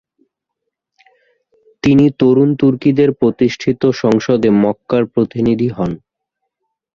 তিনি তরুণ তুর্কিদের প্রতিষ্ঠিত সংসদে মক্কার প্রতিনিধি হন।